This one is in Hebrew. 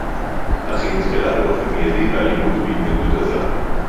אך היא נתקלה באופן מיידי באלימות ובהתנגדות עזה